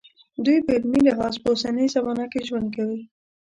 دوی په عملي لحاظ په اوسنۍ زمانه کې ژوند کوي.